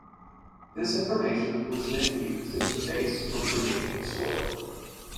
This information was then used as the base for creating the score.